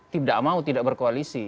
tidak mau tidak berkoalisi